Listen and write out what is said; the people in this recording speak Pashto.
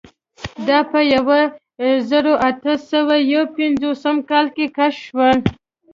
دا په یوه زرو اتو سوو یو پنځوسم کال کې کشف شول.